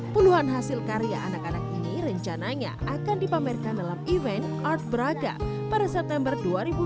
puluhan hasil karya anak anak ini rencananya akan dipamerkan dalam event art braga pada september dua ribu dua puluh